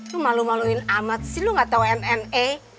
lo malu maluin amat sih lo gak tau mme